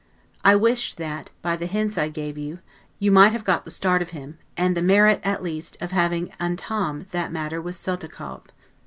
I wished that, by the hints I gave you, you might have got the start of him, and the merit, at least, of having 'entame' that matter with Soltikow.